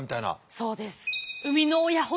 そうです。